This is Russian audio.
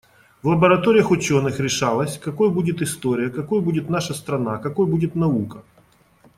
В лабораториях ученых решалось, какой будет история, какой будет наша страна, какой будет наука.